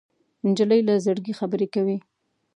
نجلۍ له زړګي خبرې کوي.